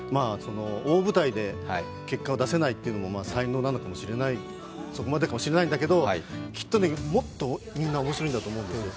大舞台で結果を出せないというのも才能なのかもしれない、そこまでかもしれないんだけどきっともっとみんな面白いと思うんですよ。